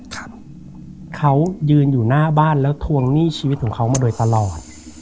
ครับเขายืนอยู่หน้าบ้านแล้วทวงหนี้ชีวิตของเขามาโดยตลอด